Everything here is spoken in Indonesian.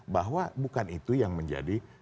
bahwa bukan itu yang menjadi